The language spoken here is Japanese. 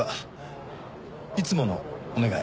いつものお願い。